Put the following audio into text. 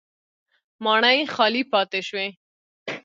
ماڼۍ خالي پاتې شوې.